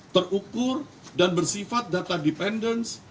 terukur dan bersifat data dependence